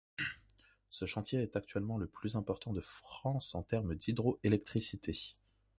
Ce chantier est actuellement le plus important de France en terme d’hydro-électricité.